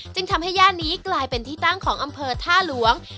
จึงทำให้ย่านนี้กลายเป็นที่ตั้งของอำเภอท่าหลวง